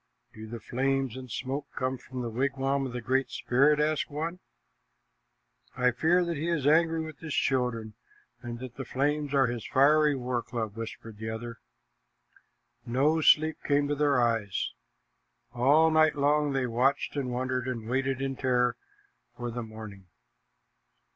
"Do the flames and smoke come from the wigwam of the Great Spirit?" asked one. "I fear that he is angry with his children, and that the flames are his fiery war clubs," whispered the other. No sleep came to their eyes. All night long they watched and wondered, and waited in terror for the morning.